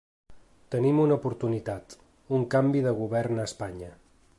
Tenim una oportunitat: un canvi de govern a Espanya.